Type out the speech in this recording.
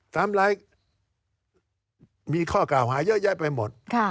ทำร้ายมีข้อกล่าวหาเยอะแยะไปหมด